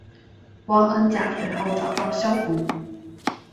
汪恩甲随后找到萧红。